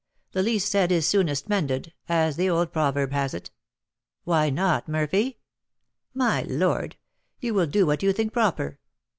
'The least said is soonest mended,' as the old proverb has it." "Why not, Murphy?" "My lord, you will do what you think proper."